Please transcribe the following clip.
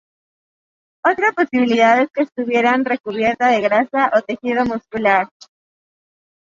Otra posibilidad es que estuvieran recubierta de grasa o tejido muscular.